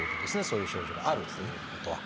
そういう症状があるというふうなことは。